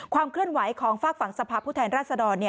เคลื่อนไหวของฝากฝั่งสภาพผู้แทนราชดร